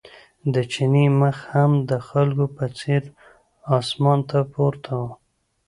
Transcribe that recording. د چیني مخ هم د خلکو په څېر اسمان ته پورته و.